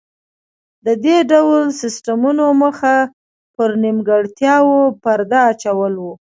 د دې ډول سیستمونو موخه پر نیمګړتیاوو پرده اچول و